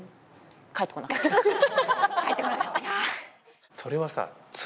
返ってこなかったか。